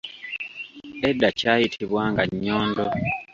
Edda kyayitibwanga Nnyondo.